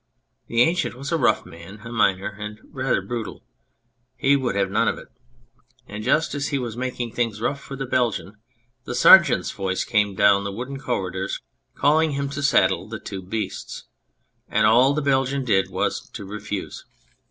The ancient was a rough man, a miner and rather brutal. He would have none of it. And just as he was making things rough for the Belgian, the Sergeant's voice came down the wooden corridors calling him to saddle the two beasts : and all the Belgian did was to refuse.